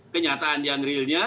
kenyataan yang realnya